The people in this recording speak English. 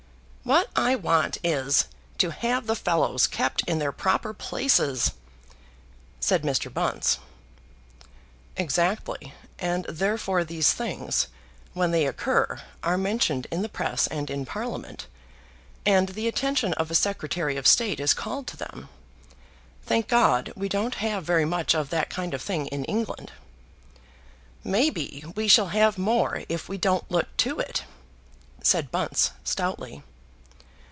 "What I want is, to have the fellows kept in their proper places," said Mr. Bunce. "Exactly; and therefore these things, when they occur, are mentioned in the press and in Parliament, and the attention of a Secretary of State is called to them. Thank God, we don't have very much of that kind of thing in England." "Maybe we shall have more if we don't look to it," said Bunce stoutly.